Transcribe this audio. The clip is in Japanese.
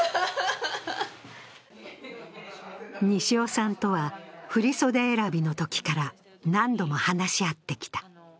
西尾さんとは振り袖選びのときから何度も話し合ってきた。